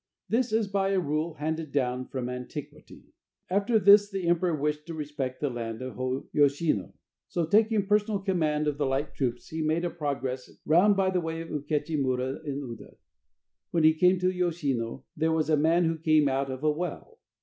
This is by a rule handed down from antiquity. After this the emperor wished to respect the Land of Yoshino, so, taking personal command of the light troops, he made a progress round by way of Ukechi Mura in Uda. When he came to Yoshino, there was a man who came out of a well.